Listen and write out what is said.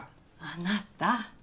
あなた。